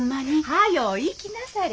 早う行きなされ。